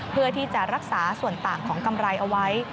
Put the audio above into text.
เพื่อที่จะรักษาส่วนต่างของกำไรเอาไว้